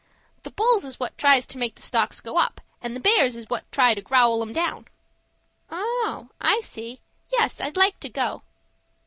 "The bulls is what tries to make the stocks go up, and the bears is what try to growl 'em down." "Oh, I see. Yes, I'd like to go."